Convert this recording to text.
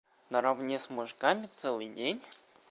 Наравне с мужиками целый день?